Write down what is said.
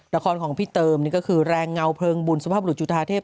ละครของพี่เติมนี่ก็คือแรงเงาเพลิงบุญสภาพบรุษจุธาเทพ